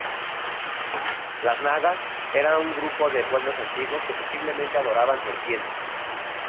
Los nagas eran un grupo de pueblos antiguos que posiblemente adoraban serpientes.